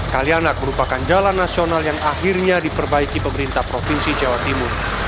kalianak merupakan jalan nasional yang akhirnya diperbaiki pemerintah provinsi jawa timur